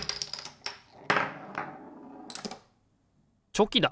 チョキだ！